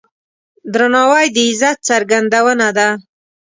درناوی د عزت څرګندونه ده.